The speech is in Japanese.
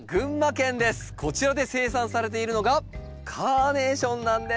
こちらで生産されているのがカーネーションなんです。